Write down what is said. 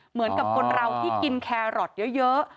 เหมือนกับคนเราที่กินแครอทเยอะ